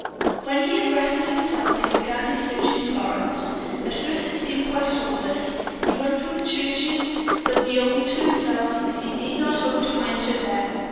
When he had rested himself he began his search in Florence. At first it seemed quite hopeless. He went through the churches, though he owned to himself that he need not hope to find her there.